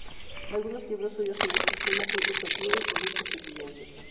Algunos libros suyos en estos temas son "Utopía y poder constituyente.